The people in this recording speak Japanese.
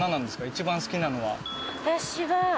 一番好きなのは。